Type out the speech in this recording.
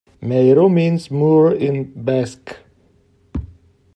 "Mairu" means "moor" in Basque.